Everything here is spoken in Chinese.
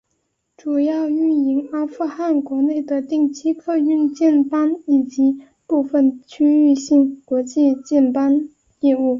主要运营阿富汗国内的定期客运航班以及部分区域性国际航班业务。